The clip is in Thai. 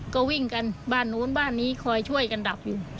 ก็วิ่งกันบ้านนู้นบ้านนี้คอยช่วยกันดับอยู่